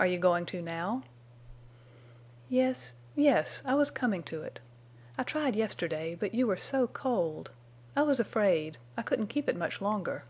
"Are you going to now?" "Yes—yes. I was coming to it. I tried yesterday, but you were so cold. I was afraid. I couldn't keep it much longer."